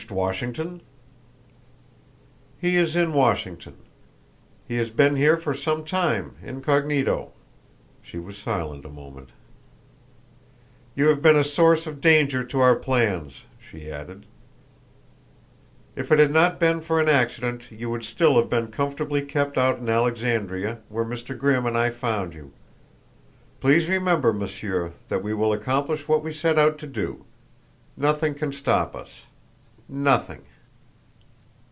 "Has he reached Washington?" "He is in Washington. He has been here for some time, incognito." She was silent a moment. "You have been a source of danger to our plans," she added. "If it had not been for an accident you would still have been comfortably kept out in Alexandria where Mr. Grimm and I found you. Please remember, Monsieur, that we will accomplish what we set out to do. Nothing can stop us nothing."